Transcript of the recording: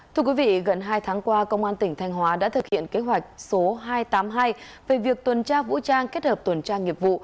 thưa quý vị gần hai tháng qua công an tỉnh thanh hóa đã thực hiện kế hoạch số hai trăm tám mươi hai về việc tuần tra vũ trang kết hợp tuần tra nghiệp vụ